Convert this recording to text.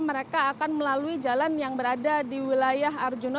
mereka akan melalui jalan yang berada di wilayah arjuna